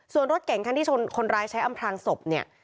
ส่วนรถเก่งคันที่ชนคนร้ายใช้อำพลางศพเนี่ย